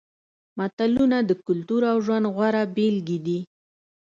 متلونه د کلتور او ژوند غوره بېلګې دي